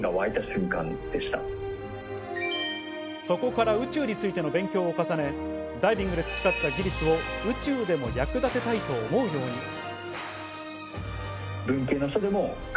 そこから宇宙についての勉強を重ね、ダイビングで培った技術を宇宙でも役立てたいと思うように。